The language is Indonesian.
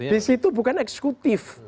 di situ bukan eksekutif